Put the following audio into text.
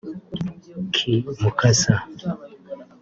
K Mukasa